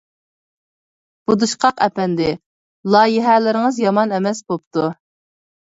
بۇدۇشقاق ئەپەندى، لايىھەلىرىڭىز يامان ئەمەس بوپتۇ.